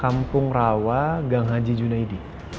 kampung rawa gang haji juna yediban